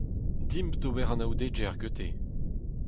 Dimp d'ober anaoudegezh gante.